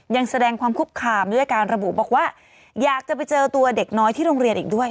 ยังแสดงความคุกคามด้วยการระบุบอกว่าอยากจะไปเจอตัวเด็กน้อยที่โรงเรียนอีกด้วย